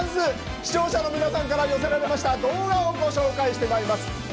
視聴者の皆さんから寄せられました動画をご紹介してまいります。